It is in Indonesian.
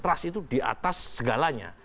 trust itu di atas segalanya